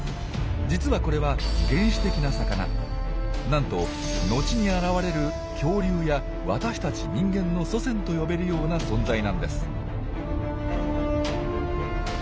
なんと後に現れる恐竜や私たち人間の祖先と呼べるような存在なんです。